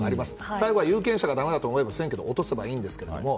最後は有権者がだめだと思えば選挙で落とせばいいんですけども。